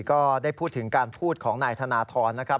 ก็ได้พูดถึงการพูดของนายธนทรนะครับ